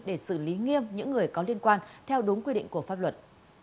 để xử lý nghiêm những người có liên quan theo đúng quy định của pháp luật